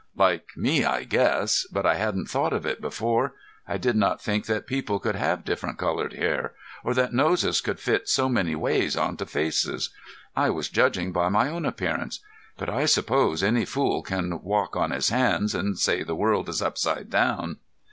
"Like me, I guess. But I hadn't thought of it before. I did not think that people could have different colored hair or that noses could fit so many ways onto faces. I was judging by my own appearance, but I suppose any fool can walk on his hands and say the world is upside down!"